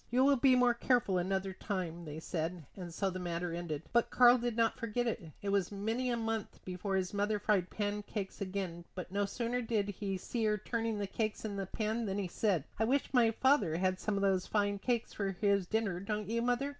"You will be more careful another time," they said; and so the matter ended. But Karl did not forget it. It was many a month before his mother fried pancakes again, but no sooner did he see her turning the cakes in the pan than he said: "I wish my father had some of these fine cakes for his dinner, don't you, mother?"